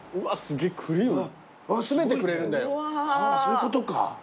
そういうことか。